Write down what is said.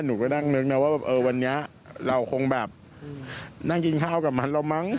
หนูก็นั่งนึกว่าวันนี้เราคงแบบนั่งกินข้าวกับมันเรามั้ง